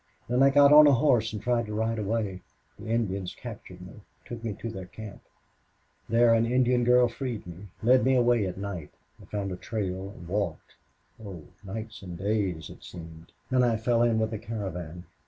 Then I got on a horse and tried to ride away. The Indians captured me took me to their camp. There an Indian girl freed me led me away at night. I found a trail and walked oh, nights and days it seemed. Then I fell in with a caravan.